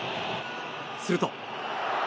すると。